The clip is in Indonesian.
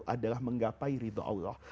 adalah menggapai ridha allah